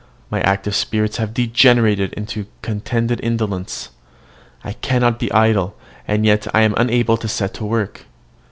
My active spirits have degenerated into contented indolence. I cannot be idle, and yet I am unable to set to work.